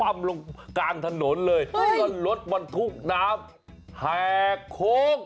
เทปั๊บลงกลางถนนเลยรถมันทุกน้ำแห่คก